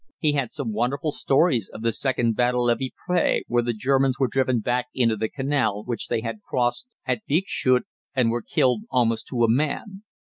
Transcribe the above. He had some wonderful stories of the second battle of Ypres, where the Germans were driven back into the canal which they had crossed at Bixschoote, and were killed almost to a man.